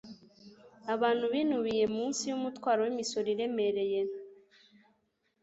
Abantu binubiye munsi yumutwaro wimisoro iremereye